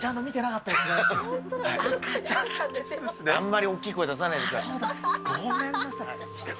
あんまり大きい声出さないでごめんなさい。